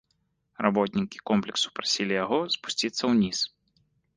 Работнікі комплексу прасілі яго спусціцца ўніз.